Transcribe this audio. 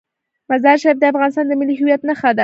مزارشریف د افغانستان د ملي هویت نښه ده.